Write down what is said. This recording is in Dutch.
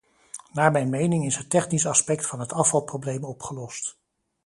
Naar mijn mening is het technisch aspect van het afvalprobleem opgelost.